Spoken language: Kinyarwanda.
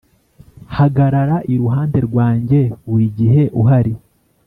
hagarara iruhande rwanjye, burigihe uhari.